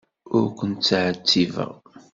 Ur ken-ttɛettibeɣ.